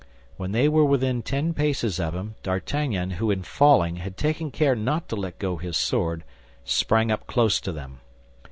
When they were within ten paces of him, D'Artagnan, who in falling had taken care not to let go his sword, sprang up close to them.